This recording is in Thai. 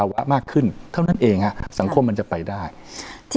แล้วสังคมจะได้